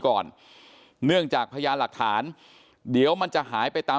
ก่อนเนื่องจากพยานหลักฐานเดี๋ยวมันจะหายไปตาม